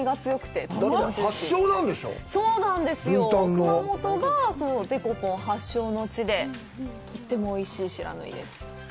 熊本がデコポン発祥の地で、とってもおいしい不知火です。